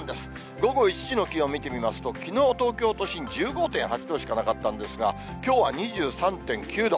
午後１時の気温見てみますと、きのう、東京都心１５．８度しかなかったんですが、きょうは２３．９度。